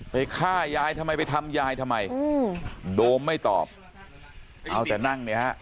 ฆ่ายายทำไมไปทำยายทำไมอืมโดมไม่ตอบเอาแต่นั่งเนี่ยฮะ